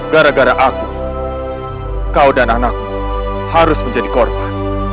gara gara aku kau dan anakmu harus menjadi korban